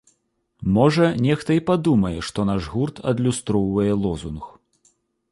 Можа, нехта і падумае, што наш гурт адлюстроўвае лозунг.